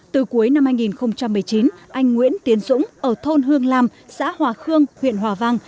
từ cuối năm hai nghìn một mươi chín anh nguyễn tiến dũng ở thôn hương lam xã hòa khương huyện hòa vang